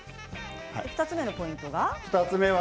２つ目のポイントは？